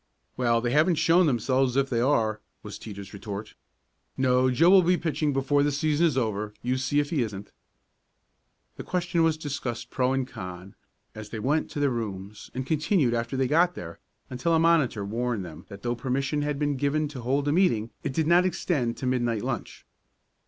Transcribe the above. "Well, they haven't shown themselves if there are," was Teeter's retort. "No, Joe will be pitching before the season is over, you see if he isn't." The question was discussed pro and con, as they went to their rooms, and continued after they got there until a monitor warned them that though permission had been given to hold a meeting it did not extend to midnight lunch.